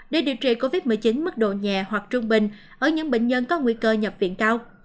để điều trị covid một mươi chín mức độ nhẹ hoặc trung bình ở những bệnh nhân có nguy cơ nhập viện cao